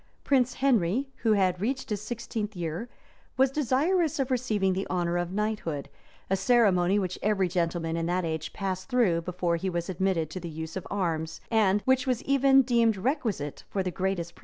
Prince Henry, who had reached his sixteenth year, was desirous of receiving the honor of knighthood; a ceremony which every gentleman in that age passed through before he was admitted to the use of arms, and which was even deemed requisite for the greatest princes.